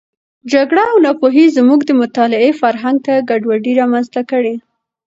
جګړه او ناپوهي زموږ د مطالعې فرهنګ ته ګډوډي رامنځته کړې.